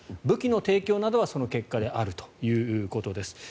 武器の提供などはその結果であるということです。